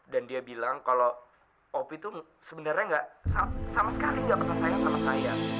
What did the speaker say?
dan dia bilang kalau opi tuh sebenarnya sama sekali nggak pernah sayang sama saya